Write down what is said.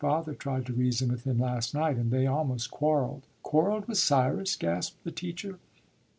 "Father tried to reason with him last night, and they almost quarrelled." "Quarrelled with Cyrus!" gasped the teacher.